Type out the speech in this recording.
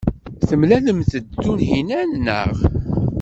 Temlalemt-d Tunhinan, naɣ?